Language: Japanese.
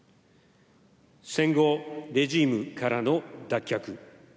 戦後レジームからの脱却。